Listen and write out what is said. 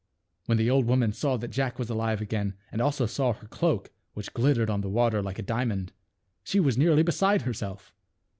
When the old woman saw that Jack was alive again, and also saw her cloak, which glittered on the water like a dia mond, she was nearly beside herself.